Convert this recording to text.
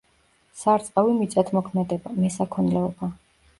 სარწყავი მიწათმოქმედება, მესაქონლეობა.